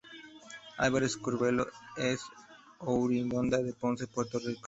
Álvarez Curbelo es oriunda de Ponce, Puerto Rico.